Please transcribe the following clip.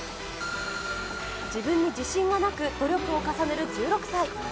自分に自信がなく、努力を重ねる１６歳。